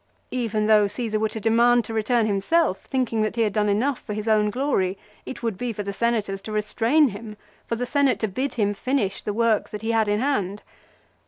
Even though Caesar were to de mand to return himself, thinking that he had done enough for his own glory, it would be for the Senators to restrain him, for the Senate to bid him finish the work that he had in hand.